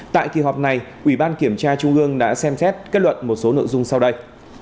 tại kỳ họp này ủy ban kiểm tra trung ương đã xem xét kết luận một số nội dung sau đây